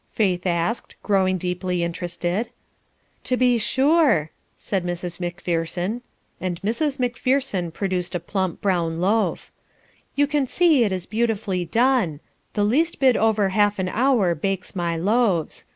Faith asked, growing deeply interested. "To be sure," and Mrs. Macpherson produced a plump brown loaf. "You can see it is beautifully done; the least bit over half an hour bakes my loaves.